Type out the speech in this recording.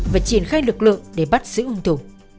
và triển khai lực lượng để bắt sử ứng thủ